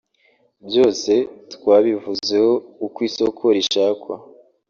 byose twabivuzeho uko isoko rishakwa